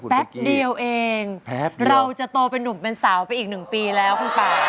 แป๊บเดียวเองเราจะโตเป็นนุ่มเป็นสาวไปอีก๑ปีแล้วคุณป่า